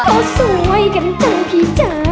ก็สวยกันจังพี่จ๋า